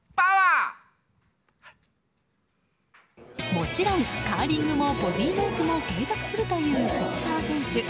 もちろんカーリングもボディーメイクも継続するという藤澤選手。